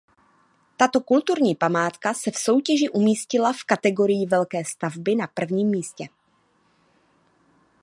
Tato kulturní památka se v soutěži umístila v kategorii velké stavby na prvním místě.